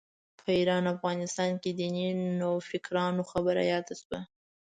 په ایران افغانستان کې دیني نوفکرانو خبره یاده شوه.